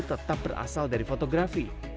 tetap berasal dari fotografi